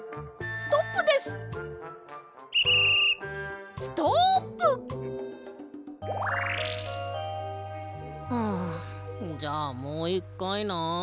ストップ！はあじゃあもう１かいな。